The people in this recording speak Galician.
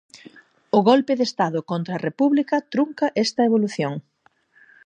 O golpe de estado contra a República trunca esta evolución.